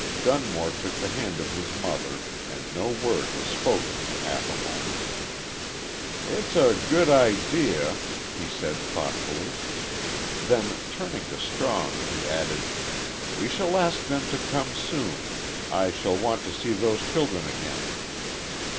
Dunmore took the hand of his mother and no word was spoken for half a moment. "It's a good idea," he said, thoughtfully. Then, turning to Strong, he added: "We shall ask them to come soon. I shall want to see those children again."